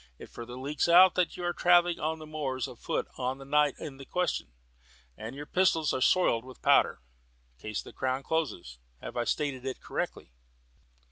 It further leaks out that you were travelling on the moors afoot on the night in question, and that your pistols are soiled with powder. Case for the Crown closes. Have I stated it correctly?"